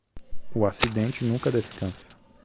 O acidente nunca descansa.